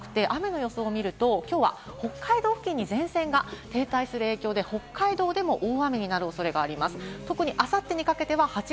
台風だけじゃなくて雨の予想を見ると、きょうは北海道付近に前線が停滞する影響で、北海道でも大雨になる恐れがあります。